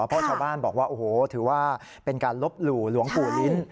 เพราะชาวบ้านบอกว่าโอ้โหถือว่าเป็นการลบหลู่หลวงปู่ลิ้น